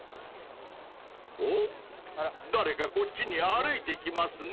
［おっ誰かこっちに歩いてきますね］